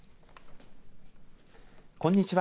こんにちは。